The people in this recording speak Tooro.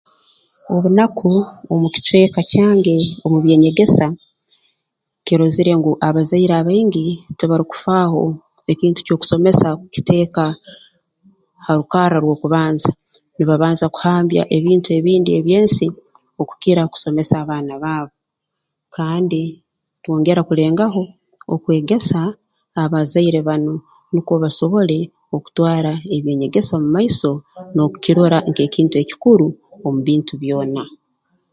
Obunaku omu kicweka kyange omu by'enyegesa kirozere ngu abazaire abaingi tibarukufaaho ekintu ky'okusomesa kukiteeka ha rukarra rw'okubanza nibabanza kuhambya ebintu ebindi eby'ensi okukira kusomesa abaana baabo kandi twongera kulengaho okwegesa abazaire banu nukwo basobole okutwara eby'enyegesa omu maiso n'okukirora nk'ekintu ekikuru omu bintu byona